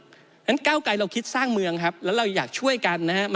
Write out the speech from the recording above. เพราะฉะนั้นก้าวไกลเราคิดสร้างเมืองครับแล้วเราอยากช่วยกันนะครับ